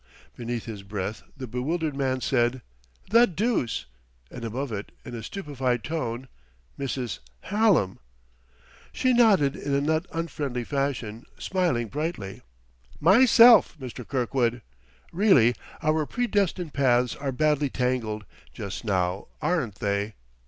Beneath his breath the bewildered man said: "The deuce!" and above it, in a stupefied tone: "Mrs. Hallam!" She nodded in a not unfriendly fashion, smiling brightly. "Myself, Mr. Kirkwood! Really, our predestined paths are badly tangled, just now; aren't they?